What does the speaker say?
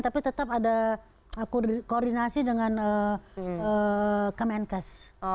tapi tetap ada koordinasi dengan kemenkes